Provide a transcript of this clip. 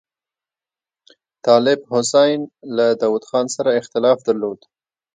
طالب حسین له داوود خان سره اختلاف درلود.